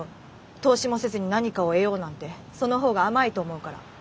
投資もせずに何かを得ようなんてその方が甘いと思うから。